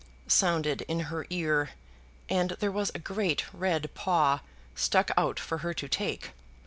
sounded in her ear, and there was a great red paw stuck out for her to take.